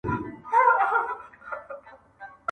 خو د عقل څښتن کړی یې انسان دی--!